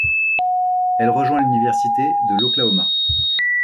Elle rejoint l'Université de l'Oklahoma.